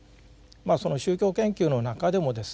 その宗教研究の中でもですね